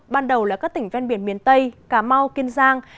ban đầu là các tỉnh ven biển miền tây cà mau kiên giang